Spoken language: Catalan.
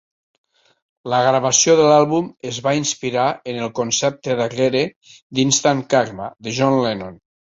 La gravació de l'àlbum es va inspirar en el concepte darrere d'Instant Karma! de John Lennon.